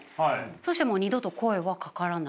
そうしたらもう二度と声はかからない。